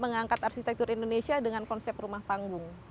mengangkat arsitektur indonesia dengan konsep rumah panggung